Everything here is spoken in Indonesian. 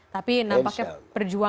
tapi nampaknya perjuangannya masih berjalan